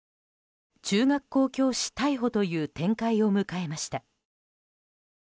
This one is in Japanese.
中学校教師逮捕という展開を迎えました。